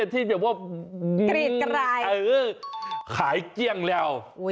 ที่เปลี่ยนว่าหายเกลี้ยงแล้ว